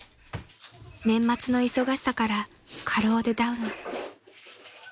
［年末の忙しさから過労でダウン］